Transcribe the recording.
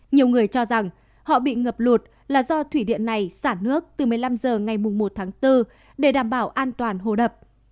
nhiều người cho rằng họ bị ngập lụt là do thủy điện này xả nước từ một mươi năm h ngày một tháng bốn để đảm bảo an toàn hồ đập